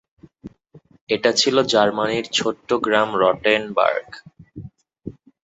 এটা ছিল জার্মানির ছোট্ট গ্রাম রটেনবার্গ।